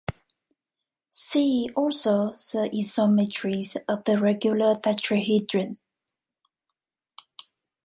See also the isometries of the regular tetrahedron.